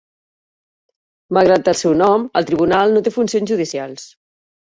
Malgrat el seu nom, el tribunal no té funcions judicials.